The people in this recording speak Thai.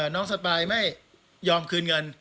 สปายไม่ยอมคืนเงิน